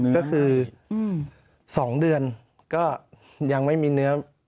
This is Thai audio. ก็คือ๒เดือนก็ยังไม่มีเนื้อ